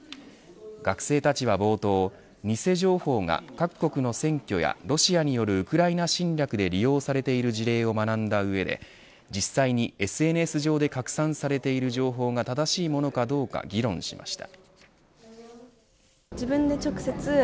学生たちは冒頭偽情報が各国の選挙やロシアによるウクライナ侵略で利用されている事例を学んだ上で実際にＳＮＳ上で拡散されている情報が正しいものかどうか議論しました。